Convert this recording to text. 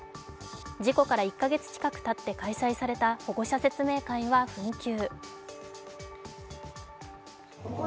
事故から１か月近くたって開催された保護者説明会は紛糾。